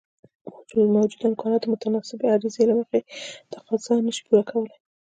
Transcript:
موجوده امکانات د متناسبې عرضې له مخې تقاضا نشي پوره کولای.